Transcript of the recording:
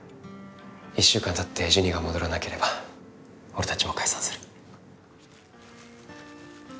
１週間たってジュニが戻らなければ俺たちも解散する。